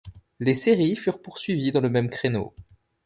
Les séries furent poursuivies dans le même créneau.